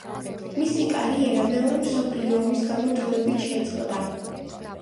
მისი კარიერა მეორე მსოფლიო ომის გამო დროებით შეწყდა.